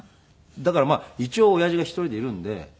だから一応親父が１人でいるんで。